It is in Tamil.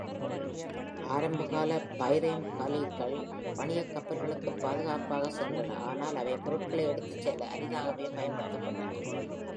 ஆரம்பகால பைரேம் காலீக்கள் வணிகக் கப்பல்களுக்குப் பாதுகாப்பாக சென்றன, ஆனால் அவை பொருட்களை எடுத்துச் செல்ல அரிதாகவே பயன்படுத்தப்பட்டன.